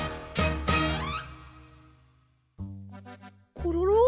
コロロ？